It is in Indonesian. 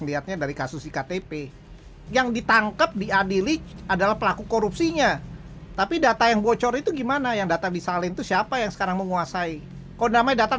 itu yang jadi masalah